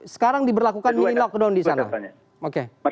sekarang diberlakukan mini lockdown di sana